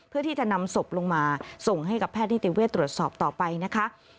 เพื่อที่จะนำศพลงมาส่งให้กับแพทย์นิติเวศตรวจสอบต่อไปนะคะ